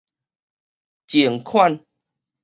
贈款